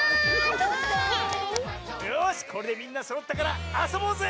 よしこれでみんなそろったからあそぼうぜ！